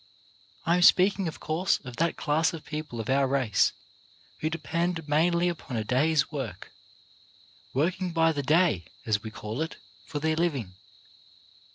I am speaking, of course, of that class of people of our race who depend mainly upon a day's work — working by the day, as we call it — for their living.